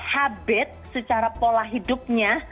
habit secara pola hidupnya